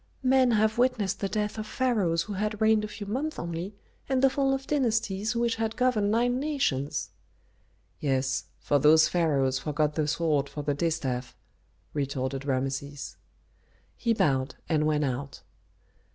"Men have witnessed the death of pharaohs who had reigned a few months only, and the fall of dynasties which had governed nine nations." "Yes, for those pharaohs forgot the sword for the distaff," retorted Rameses. He bowed and went out.